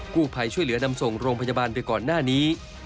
ผู้ภัยช่วยเหลือนำส่งโรงพยาบาลไปก่อนหน้านี้